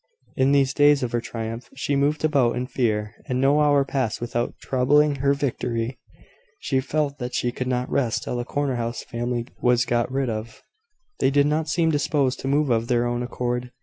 In these days of her triumph she moved about in fear; and no hour passed without troubling her victory. She felt that she could not rest till the corner house family was got rid of. They did not seem disposed to move of their own accord.